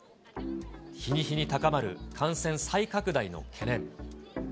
日に日に高まる感染再拡大の懸念。